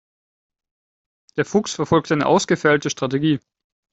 Der Fuchs verfolgt eine ausgefeilte Strategie.